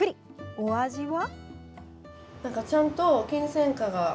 お味は。